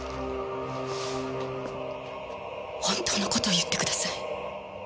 本当の事を言ってください。